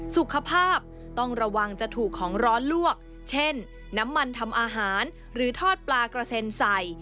สุขภาพต้องระวังจะถูกของร้อนลวกเช่นน้ำมันทำอาหารหรือทอดปลากระเซ็นใส่